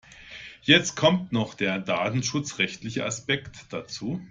Jetzt kommt noch der datenschutzrechtliche Aspekt dazu.